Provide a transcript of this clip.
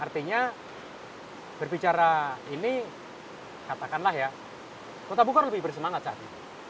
artinya berbicara ini katakanlah ya kota bogor lebih bersemangat saat ini